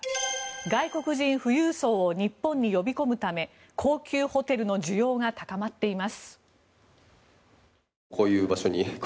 外国人富裕層を日本に呼び込むため高級ホテルの需要が高まっています。